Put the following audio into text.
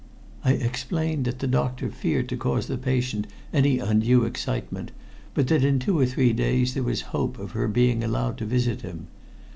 I explained that the doctor feared to cause the patient any undue excitement, but that in two or three days there was hope of her being allowed to visit him.